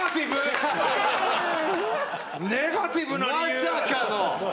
まさかの！